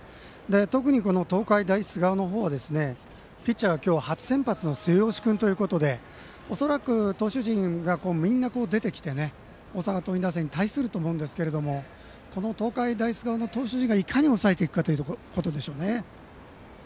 特に東海大菅生はピッチャーは今日、初先発の末吉君ということで恐らく投手陣がみんな出てきて大阪桐蔭打線に対すると思うんですけどもこの東海大菅生の投手陣がいかに抑えていくかというところでしょうね。